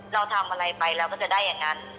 เราทำอะไรไปเราก็จะได้อย่างนั้น